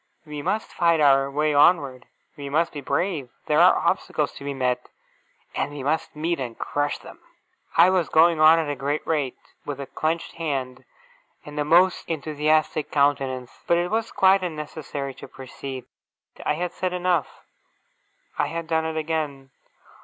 We must fight our way onward. We must be brave. There are obstacles to be met, and we must meet, and crush them!' I was going on at a great rate, with a clenched hand, and a most enthusiastic countenance; but it was quite unnecessary to proceed. I had said enough. I had done it again.